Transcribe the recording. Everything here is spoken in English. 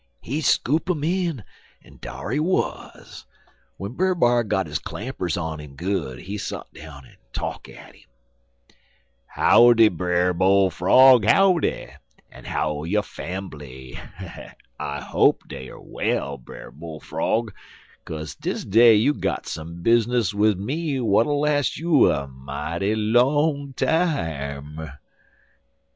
"He scoop 'im in, en dar he wuz. W'en Brer B'ar got his clampers on 'im good, he sot down en talk at 'im. "'Howdy, Brer Bull frog, howdy! En how yo fambly? I hope dey er well, Brer Bull frog, kaze dis day you got some bizness wid me w'at'll las' you a mighty long time.'